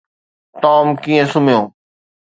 Tom ڪيئن سمهيو؟